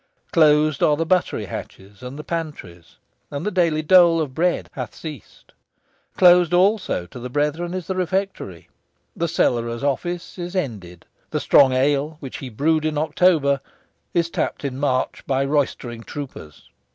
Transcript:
Closed are the buttery hatches and the pantries; and the daily dole of bread hath ceased. Closed, also, to the brethren is the refectory. The cellarer's office is ended. The strong ale which he brewed in October, is tapped in March by roystering troopers.